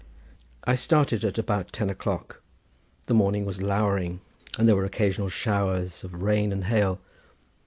I started at about ten o'clock; the morning was lowering, and there were occasional showers of rain and hail.